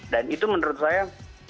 dan itu menurut saya